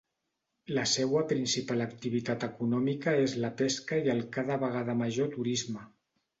La seua principal activitat econòmica és la pesca i el cada vegada major turisme.